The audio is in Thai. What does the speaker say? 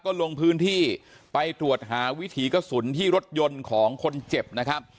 ก็ลงพื้นที่ไปตรวจหาวิถีกระสุนที่รถยนต์ของคนเจ็บนะครับ